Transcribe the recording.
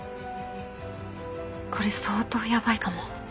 これ相当ヤバいかも。